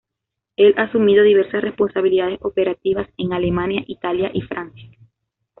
Él ha asumido diversas responsabilidades operativas en Alemania, Italia y Francia.